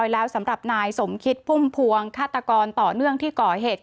แล้วสำหรับนายสมคิดพุ่มพวงฆาตกรต่อเนื่องที่ก่อเหตุ